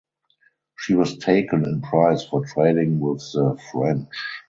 She was taken in prize for trading with the French.